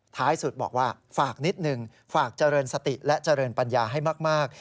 ท้ายสุดบอกว่าฝากนิดนึงฝากเจริญสติและเจริญปัญญาให้มาก